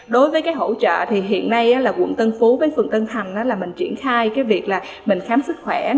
đối với cái hỗ trợ thì hiện nay là quận tân phú với phường tân thành là mình triển khai cái việc là mình khám sức khỏe